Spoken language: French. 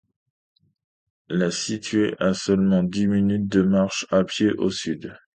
La situé à seulement dix minutes de marche à pied au sud.